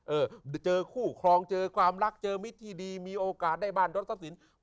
เออเจอคู่ครองเจอความรักเจอมิตรที่ดีมีโอกาสได้บ้านรถทรัพย์สิน